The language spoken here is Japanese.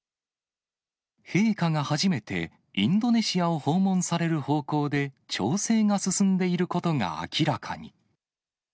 陛下が初めて、インドネシアを訪問される方向で調整が進んでいることが明らかに。